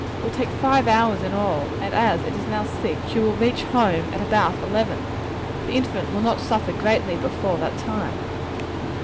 It will take five hours in all; and as it is now six, she will reach home at about eleven. The infant will not greatly suffer before that time.